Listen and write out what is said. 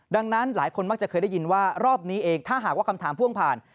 ดังนั้นหลายคนมักจะเคยได้ยินว่ารอบนี้เองถ้าหากว่าคำถามพ่วงผ่าน